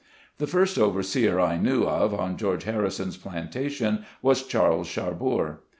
The first overseer I knew of on George Harrison's plantation was Charles Charbour.